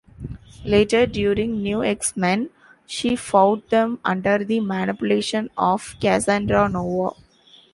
Later during "New X-Men", she fought them under the manipulation of Cassandra Nova.